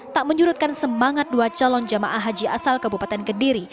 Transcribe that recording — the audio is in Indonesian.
tak menyurutkan semangat dua calon jamaah haji asal kabupaten kediri